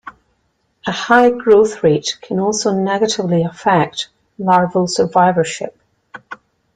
A high growth rate can also negatively affect larval survivorship.